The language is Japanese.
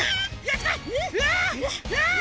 うわ！